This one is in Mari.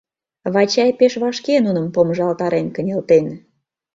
Вачай пеш вашке нуным помыжалтарен кынелтен.